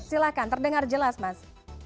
silakan terdengar jelas mas